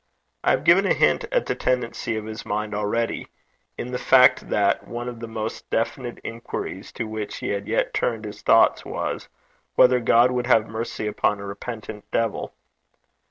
I have given a hint at the tendency of his mind already, in the fact that one of the most definite inquiries to which he had yet turned his thoughts was, whether God would have mercy upon a repentant devil.